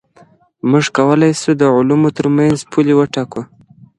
موږ کولای سو د علومو ترمنځ پولي وټاکو.